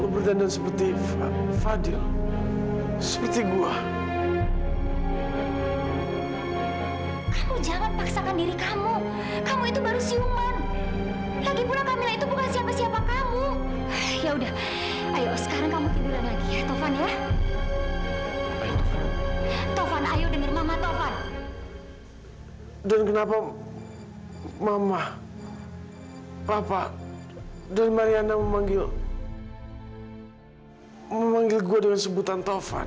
mama dan kenapa mama papa dan mariana memanggil gua dengan sebutan taufan